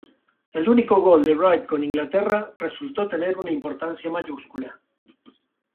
El único gol de Wright con Inglaterra resultó tener una importancia mayúscula.